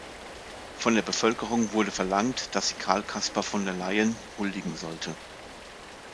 Von der Bevölkerung wurde verlangt, dass sie Karl Kasper von der Leyen huldigen sollte.